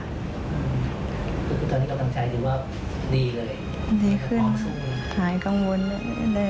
คุณตอนนี้กำลังใช้หรือว่าดีเลย